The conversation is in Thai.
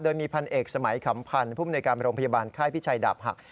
โดยมีพันเอกสมัยขำพันธ์ผู้มนุยการโรงพยาบาลค่ายพิชัยดาบหัก